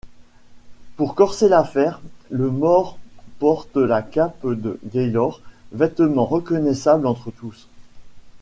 Pour corser l'affaire, le mort porte la cape de Gaylor, vêtement reconnaissable entre tous.